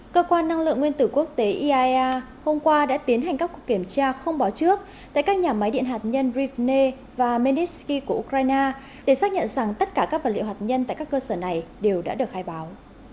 cơ quan năng lượng nguyên tử quốc tế iaea hôm qua đã tiến hành các cuộc kiểm tra không báo trước tại các nhà máy điện hạt nhân refe và menisky của ukraine để xác nhận rằng tất cả các vật liệu hạt nhân tại các cơ sở này đều đã được khai báo